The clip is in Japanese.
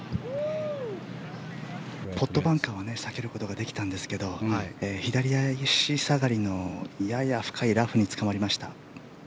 ポットバンカーは避けることができたんですが左足下がりのやや深いラフにつかまりました。